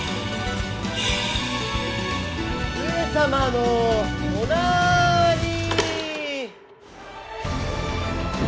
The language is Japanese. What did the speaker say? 上様のおなーりー！